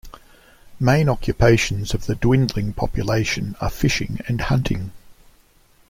Main occupations of the dwindling population are fishing and hunting.